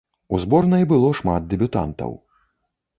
У зборнай было шмат дэбютантаў.